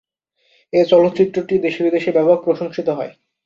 এ চলচ্চিত্রটি দেশে-বিদেশে ব্যাপক প্রশংসিত হয়।